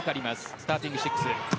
スターティング６。